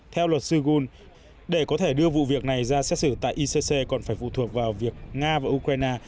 theo luật sư gul để có thể đưa vụ việc này ra xét xử tại icc còn phải phụ thuộc vào việc nga và ukraine